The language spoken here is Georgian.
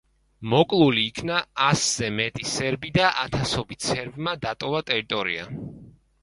მოკლული იქნა ასზე მეტი სერბი და ათასობით სერბმა დატოვა ტერიტორია.